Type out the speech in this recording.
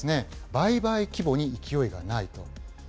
売買規模に勢いがないと。